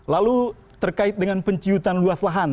lalu terkait dengan penciutan luas lahan